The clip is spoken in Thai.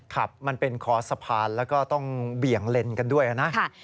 ครับมันเป็นคอสะพานแล้วก็ต้องเบี่ยงเลนกันด้วยนะ